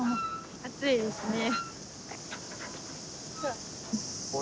暑いですね。